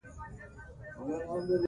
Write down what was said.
زه هیڅکله له اصولو سرغړونه نه کوم.